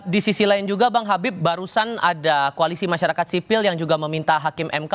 di sisi lain juga bang habib barusan ada koalisi masyarakat sipil yang juga meminta hakim mk